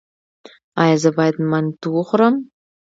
ایا زه باید منتو وخورم؟